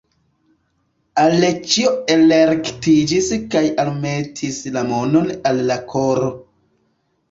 Aleĉjo elrektiĝis kaj almetis la manon al la koro.